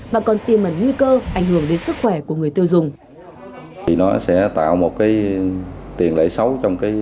mà còn tiêm ẩn nguy cơ ảnh hưởng đến sức khỏe của người tiêu dùng